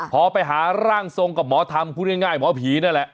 พอไปหาร่างทรงกับหมอธรรมพูดง่ายหมอผีนั่นแหละ